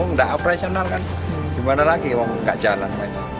oh enggak profesional kan gimana lagi oh enggak jalan